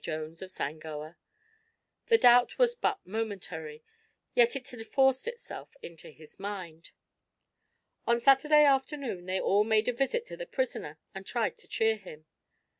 Jones of Sangoa. The doubt was but momentary, yet it had forced itself into his mind. On Saturday afternoon they all made a visit to the prisoner and tried to cheer him.